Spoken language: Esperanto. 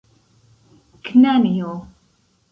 Knanjo...